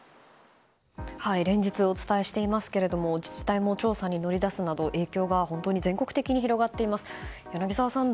連日お伝えしていますが自治体も調査に乗り出すなど影響が全国的に広がっています。